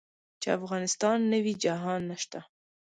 چې افغانستان نه وي جهان نشته.